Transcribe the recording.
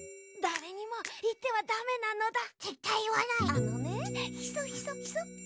あのねヒソヒソヒソ。